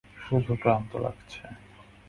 শুধু ক্লান্ত লাগছে।